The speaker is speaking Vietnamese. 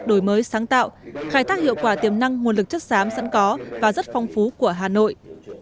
đổi mới sáng tạo khai thác hiệu quả tiềm năng nguồn lực chất xám sẵn có và rất phong phú của hà nội